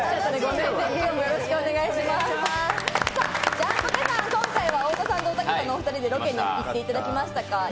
ジャンポケさん、今回は太田さんとおたけさんの２人でロケに行っていただきましたが。